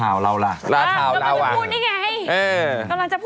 แล้วเราอะ